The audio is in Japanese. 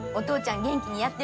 元気にやってるで。